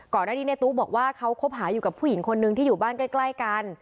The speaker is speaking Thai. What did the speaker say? ก่อนหน้านี้ในตู้บอกว่าเขาคบหาอยู่กับผู้หญิงคนนึงที่อยู่บ้านใกล้กัน